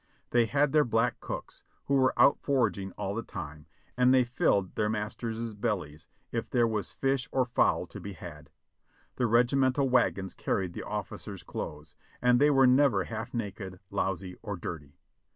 They had their black cooks, who were out foraging all the time, and they filled their masters' bellies if there was fish or fowl to be had. The regimental wagons carried the officers' clothes, and they were never half naked, lousy, or dirty.